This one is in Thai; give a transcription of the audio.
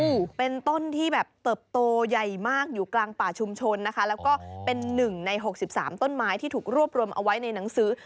โอ้โหเป็นต้นที่แบบเติบโตใหญ่มากอยู่กลางป่าชุมชนนะคะแล้วก็เป็นหนึ่งในหกสิบสามต้นไม้ที่ถูกรวบรวมเอาไว้ในหนังสือ